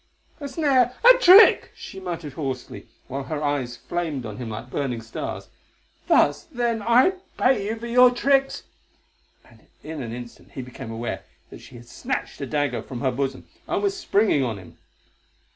"A snare! A trick!" she muttered hoarsely, while her eyes flamed on him like burning stars. "Thus then I pay you for your tricks." And in an instant he became aware that she had snatched a dagger from her bosom and was springing on him.